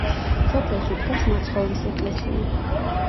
სოფელში დგას მაცხოვრის ეკლესია.